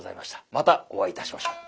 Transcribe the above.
またお会いいたしましょう。